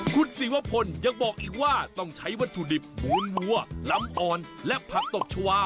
คุณศิวพลยังบอกอีกว่าต้องใช้วัตถุดิบมูลวัวลำอ่อนและผักตบชาวา